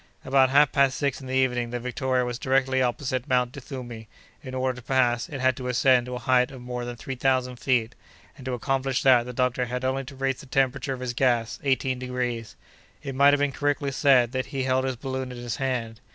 About half past six in the evening the Victoria was directly opposite Mount Duthumi; in order to pass, it had to ascend to a height of more than three thousand feet, and to accomplish that the doctor had only to raise the temperature of his gas eighteen degrees. It might have been correctly said that he held his balloon in his hand.